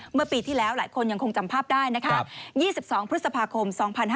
เมื่อปีที่แล้วหลายคนยังคงจำภาพได้นะคะ๒๒พฤษภาคม๒๕๕๙